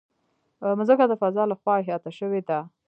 مځکه د فضا له خوا احاطه شوې ده.